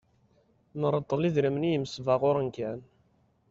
Nreṭṭel idrimen i yimesbaɣuren kan.